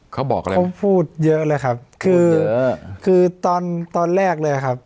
เขาบอกอะไรเขาพูดเยอะเลยครับคือคือตอนตอนแรกเลยครับ